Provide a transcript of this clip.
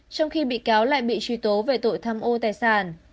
trong khi bị cáo lại bị truy tố về tội tham ô tài sản